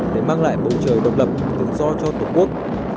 để mang lại bầu trời độc lập tự do cho tổ quốc